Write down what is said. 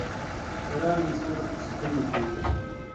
• باران د انسان روح ته سکون ورکوي.